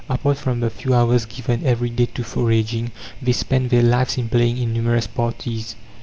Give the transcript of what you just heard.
Apart from the few hours given every day to foraging, they spend their lives in playing in numerous parties.